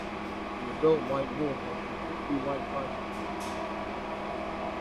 The adult white morph has completely white body plumage.